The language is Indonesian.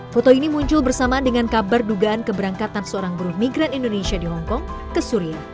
foto ini muncul bersamaan dengan kabar dugaan keberangkatan seorang buruh migran indonesia di hongkong ke suria